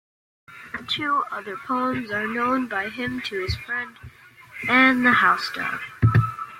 Two other poems are known by him, "To His Friend" and "The Housedove".